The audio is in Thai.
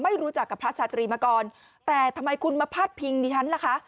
รู้จักกับพระชาตรีมาก่อนแต่ทำไมคุณมาพาดพิงดิฉันล่ะคะ